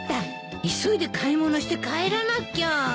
急いで買い物して帰らなきゃ。